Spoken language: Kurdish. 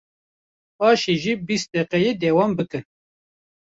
paşê jî bîst deqeyê dewam bikin.